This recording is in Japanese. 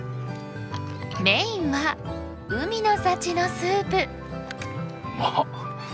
メインは海の幸のスープ。